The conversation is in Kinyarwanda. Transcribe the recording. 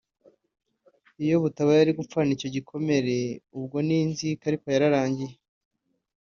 iyo butaba yari gupfana icyo gikomere ubwo ni n’inzika ariko yararangiye